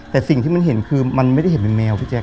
แต่สิ่งที่มันเห็นคือมันไม่ได้เห็นเป็นแมวพี่แจ๊